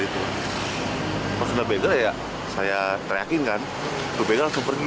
ketika bergele saya teryakinkan korban bergele langsung pergi